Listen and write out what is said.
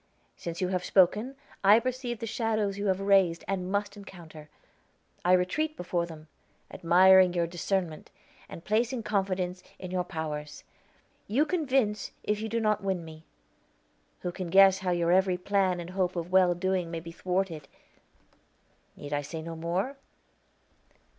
Since you have spoken, I perceive the shadows you have raised and must encounter. I retreat before them, admiring your discernment, and placing confidence in your powers. You convince if you do not win me. Who can guess how your every plan and hope of well doing may be thwarted? I need say no more?"